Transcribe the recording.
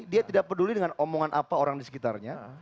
dia tidak peduli dengan omongan apa orang di sekitarnya